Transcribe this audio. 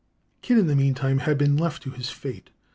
Kidd in the meantime had been left to his fate.